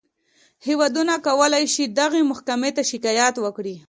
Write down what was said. هېوادونه کولی شي دغې محکمې ته شکایت وکړي.